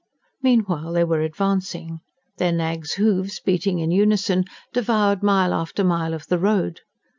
Meanwhile they were advancing: their nags' hoofs, beating in unison, devoured mile after mile of the road.